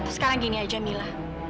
sekarang gini aja mila